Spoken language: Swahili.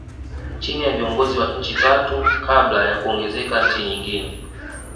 Chini ya viongozi wa nchi tatu kabla ya kuongezeka nchi nyingine